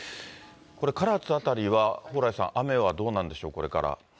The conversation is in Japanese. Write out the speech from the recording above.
これ、唐津辺りは蓬莱さん、雨はどうなんでしょう、これから。